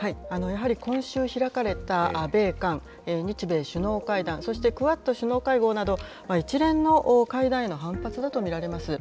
やはり、今週開かれた米韓、日米首脳会談、そしてクアッド首脳会合など、一連の会談への反発だと見られます。